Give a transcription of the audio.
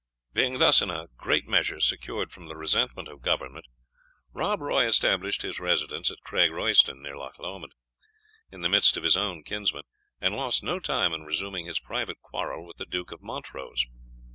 Being thus in a great measure secured from the resentment of government, Rob Roy established his residence at Craig Royston, near Loch Lomond, in the midst of his own kinsmen, and lost no time in resuming his private quarrel with the Duke of Montrose.